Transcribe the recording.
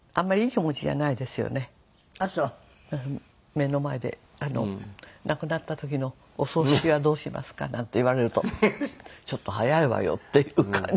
目の前で「亡くなった時のお葬式はどうしますか？」なんて言われるとちょっと早いわよっていう感じ。